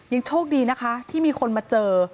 ยังโชคดีนะคะที่มีคนมาเจอ